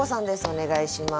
お願いします。